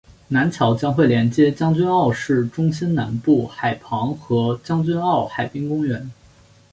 南桥将会连接将军澳市中心南部海旁和将军澳海滨公园。